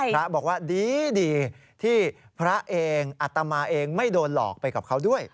พระบอกว่าดีที่พระเองอัตมาเองไม่โดนหลอกไปกับเขาด้วย